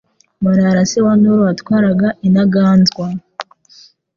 Marara se wa Nturo watwaraga Intaganzwa